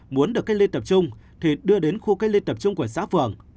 muốn được cách ly tập trung thì đưa đến khu cách ly tập trung của xã phường